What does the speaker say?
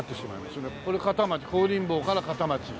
これ片町香林坊から片町。